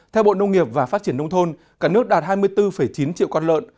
theo bộ nông nghiệp và phát triển nông thôn cả nước đạt hai mươi bốn chín triệu con lợn